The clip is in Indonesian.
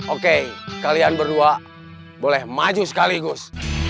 oke kalian berdua boleh maju sekaligus